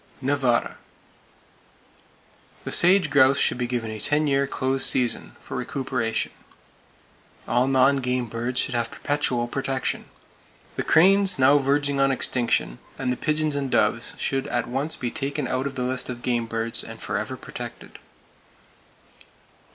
Nevada: The sage grouse should be given a ten year close season, for recuperation. All non game birds should have perpetual protection. The cranes, now verging on extinction, and the pigeons and doves should at once be taken out of the list of game birds, and forever protected.